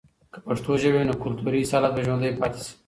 که پښتو ژبه وي، نو کلتوري اصالت به ژوندي پاتې سي.